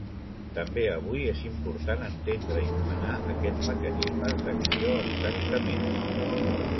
També avui és important entendre i nomenar aquests mecanismes d’acció exactament.